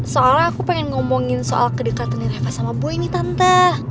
soalnya aku pengen ngomongin soal kedekatan reva sama boy nih tante